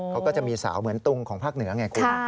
เขาก็จะมีสาวเหมือนตุงของภาคเหนือไงคุณ